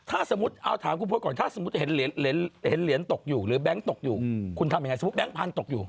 ถ้าสมมุติเอาถามคุณพศก่อนถ้าสมมุติเห็นเหรียญตกอยู่หรือแบงค์ตกอยู่คุณทำยังไงสมมุติแก๊งพันธุตกอยู่